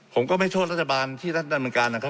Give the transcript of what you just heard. ผมก็ไม่โทษรัฐบาลที่รัฐดำเนินการนะครับ